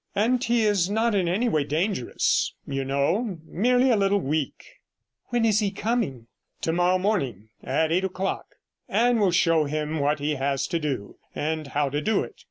And he is not in any way dangerous, you know, merely a little weak.' 'When is he coming?' 59 To morrow morning at eight o'clock. Anne will show him what he has to do, and how to do it.